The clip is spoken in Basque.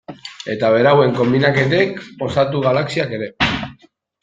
Eta berauen konbinaketek osatu galaxiak ere.